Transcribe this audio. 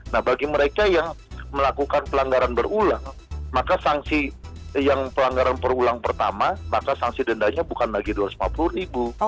nah bagi mereka yang melakukan pelanggaran berulang maka sanksi yang pelanggaran berulang pertama maka sanksi dendanya bukan lagi rp dua ratus lima puluh ribu